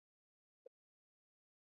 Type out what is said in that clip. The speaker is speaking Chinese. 鸣梁海战